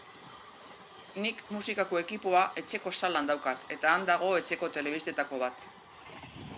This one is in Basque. Nik musikako ekipoa etxeko salan daukat eta han dago etxeko telebistetako bat.